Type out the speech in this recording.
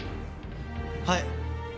はい。